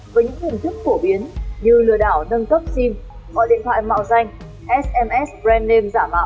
với những hình thức phổ biến như lừa đảo nâng cấp sim gọi điện thoại mạo danh sms brand name giả mạo